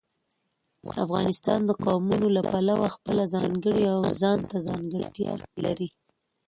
افغانستان د قومونه له پلوه خپله ځانګړې او ځانته ځانګړتیا لري.